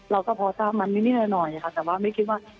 เราก็เพราะตามน่ะนิดหน่อยแต่ว่าไม่คิดว่า